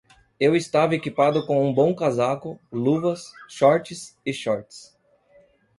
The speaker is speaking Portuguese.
Eu estava equipado com um bom casaco, luvas, shorts e shorts.